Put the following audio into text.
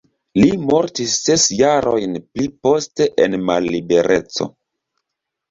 Li mortis ses jarojn pli poste en mallibereco.